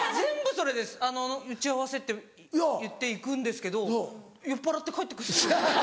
「打ち合わせ」って言って行くんですけど酔っぱらって帰って来るんですよ。